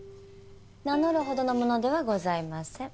名乗るほどの者ではございません。